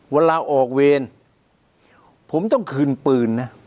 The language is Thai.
เวลาออกเวรผมต้องคืนปืนนะ